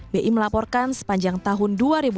bi melaporkan sepanjang tahun dua ribu delapan belas